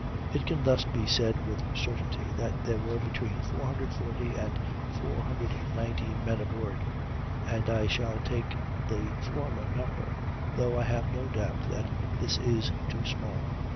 It can thus be said with certainty that there were between 440 and 490 men aboard, and I shall take the former number, though I have no doubt that this is too small.